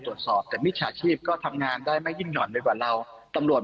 ตรวจสอบแต่มิจฉาชีพก็ทำงานได้ไม่ยิ่งห่อนไปกว่าเราตำรวจ